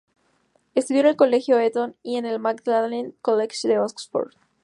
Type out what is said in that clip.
Estudió en el Colegio Eton y en el Magdalen College de Oxford.